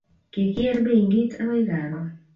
kikier benkit akoi karon